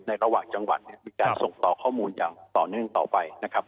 ระหว่างจังหวัดเนี่ยมีการส่งต่อข้อมูลอย่างต่อเนื่องต่อไปนะครับ